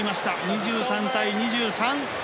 ２３対２３！